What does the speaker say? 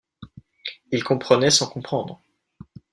Ils comprenaient sans comprendre.